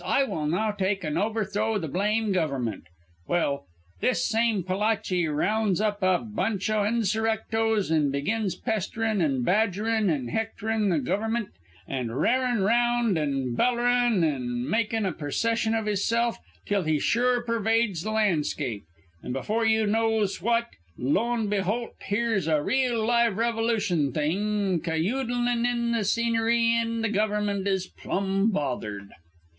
I will now take an' overthrow the blame Gover'ment.' Well, this same Palachi rounds up a bunch o' insurrectos an' begins pesterin' an' badgerin' an' hectorin' the Gover'ment; an' r'arin' round an' bellerin' an' makin' a procession of hisself, till he sure pervades the landscape; an' before you knows what, lo'n beholt, here's a reel live Revolution Thing cayoodlin' in the scenery, an' the Gover'ment is plum bothered.